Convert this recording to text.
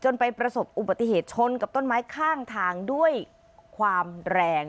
ไปประสบอุบัติเหตุชนกับต้นไม้ข้างทางด้วยความแรง